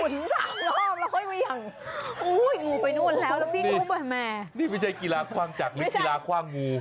นี่ไม่ใช่กีฬาขว้างจากนี่กีฬาขว้างงู